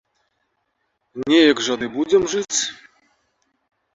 Неяк жа ды будзем жыць.